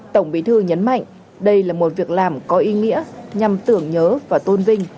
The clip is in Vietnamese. tổng bí thư nhấn mạnh đây là một việc làm có ý nghĩa nhằm tưởng nhớ và tôn vinh